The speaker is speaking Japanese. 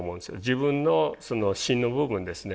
自分のしんの部分ですね。